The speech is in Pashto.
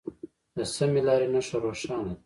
د سمې لارې نښه روښانه ده.